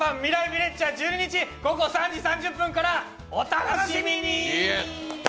美レッジ」は１２日午後３時３０分から、お楽しみに。